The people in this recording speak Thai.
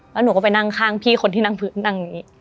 แล้วหนูก็ไปนั่งข้างพี่คนที่นั่งพื้นนั่งนี้